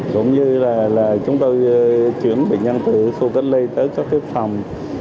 giống như là chúng ta chuyển bệnh nhân từ khu cánh lây tới các cái phòng